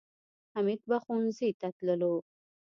حمید به ښوونځي ته تلو